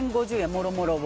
もろもろを。